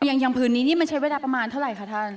อย่างผืนนี้นี่มันใช้เวลาประมาณเท่าไหร่คะท่าน